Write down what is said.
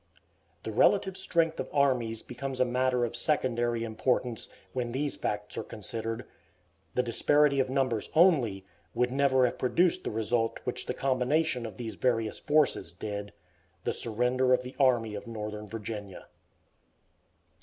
The relative strength of armies becomes a matter of secondary importance when these facts are considered. The disparity of numbers only, would never have produced the result which the combination of these various forces did, the surrender of the Army of Northern Virginia.